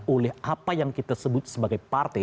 oleh apa yang kita sebut sebagai partai